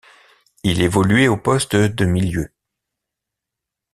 Il évoluait au poste de milieu.